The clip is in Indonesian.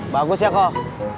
bagus ya koc